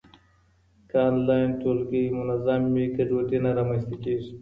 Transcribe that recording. که انلاین ټولګی منظم وي، ګډوډي نه رامنځته کېږي.